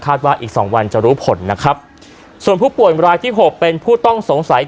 ว่าอีกสองวันจะรู้ผลนะครับส่วนผู้ป่วยรายที่หกเป็นผู้ต้องสงสัย